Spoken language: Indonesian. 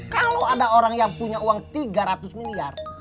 kalau ada orang yang punya uang tiga ratus miliar